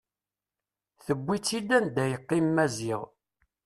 Tewwi-tt-id anda yeqqim Maziɣ.